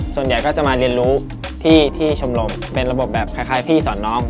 ส่วนใหญ่ก็จะมาเรียนรู้ที่ชมรมเป็นระบบแบบคล้ายพี่สอนน้อง